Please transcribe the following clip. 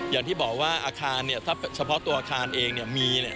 อย่างที่บอกว่าอาคารถ้าเฉพาะตัวอาคารเองมี